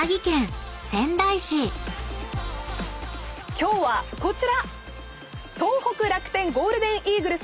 今日はこちら！